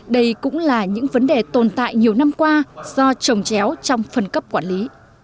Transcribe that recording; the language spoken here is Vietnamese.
đây cũng là những vấn đề tồn tại nhiều năm qua do trồng chéo trong phân cấp quản lý